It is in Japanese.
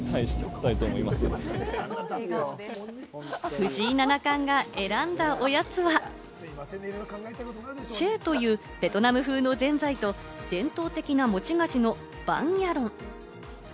藤井七冠が選んだおやつは、チェーというベトナム風のぜんざいと伝統的な餅菓子のバンヤロン。